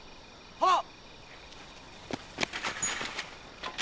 あっ。